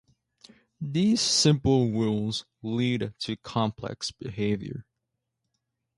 These simple rules lead to complex behavior.